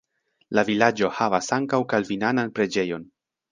La vilaĝo havas ankaŭ kalvinanan preĝejon.